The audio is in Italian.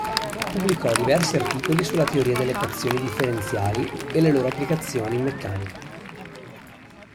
Pubblicò diversi articoli sulla teoria delle equazioni differenziali e le loro applicazioni in Meccanica.